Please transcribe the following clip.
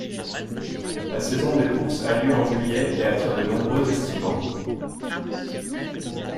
La saison de courses a lieu en juillet, et attire de nombreux estivants.